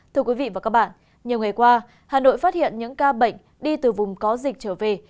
thưa quý vị và các bạn nhiều ngày qua hà nội phát hiện những ca bệnh đi từ vùng có dịch trở về